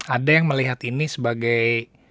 ada yang melihat ini sebagai